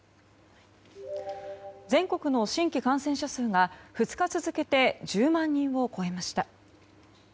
全国の新規感染者数が２日続けて１０万人を超えました。